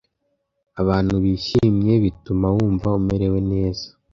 Abantu bishimye bituma wumva umerewe neza.